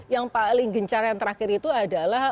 yang paling gencar yang terakhir itu adalah